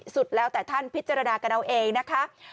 สุดแล้วแต่ท่านพิจารณากันเอาเองนะคะ